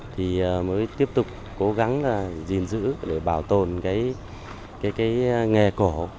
thì mới tiếp tục cố gắng là gìn giữ để bảo tồn cái nghề cổ